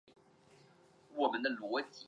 吕桑河畔丰人口变化图示